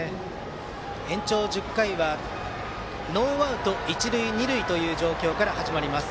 延長１０回はノーアウト、一塁二塁という状況から始まります。